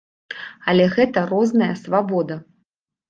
Але гэта розная свабода.